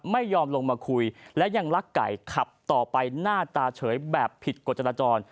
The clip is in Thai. ไม่ยอมลงมาคุยและยังลักไก่ขับต่อไปหน้าตาเฉยแบบผิดกฎจราจร